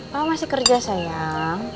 pa masih kerja sayang